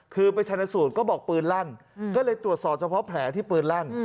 คือไปชนสูตรก็บอกปืนลั่นก็เลยตรวจสอบเฉพาะแผลที่ปืนลั่น